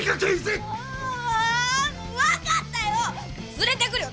連れてくるよ！